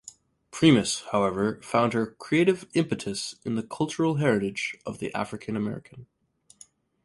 Primus, however, found her creative impetus in the cultural heritage of the African American.